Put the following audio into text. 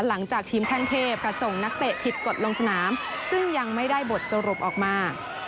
หลังจากทีมแข้งเทพจะส่งนักเตะผิดกฎลงสนามซึ่งยังไม่ได้บทสรุปออกมา